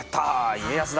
家康だ。